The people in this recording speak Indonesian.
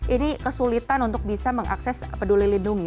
ini kesulitan untuk bisa mengakses peduli lindungi